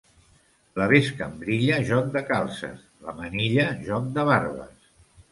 La bescambrilla, joc de calces; la manilla, joc de barbes.